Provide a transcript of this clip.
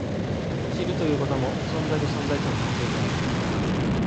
知るということも、存在と存在との関係である。